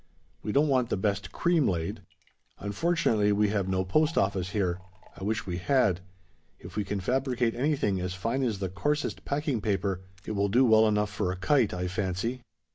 We don't want the best `cream laid.' Unfortunately, we have no post office here. I wish we had. If we can fabricate anything as fine as the coarsest packing paper, it will do well enough for a kite, I fancy."